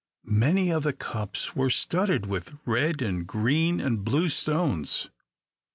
Many of the cups were studded with red and green and blue stones.